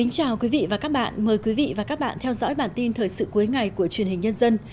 chào mừng quý vị đến với bản tin thời sự cuối ngày của truyền hình nhân dân